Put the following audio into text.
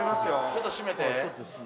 ちょっと閉めて。